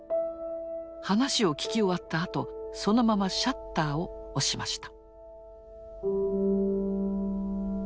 話を聞き終わったあとそのままシャッターを押しました。